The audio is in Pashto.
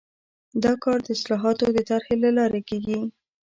دا کار د اصلاحاتو د طرحې له لارې کیږي.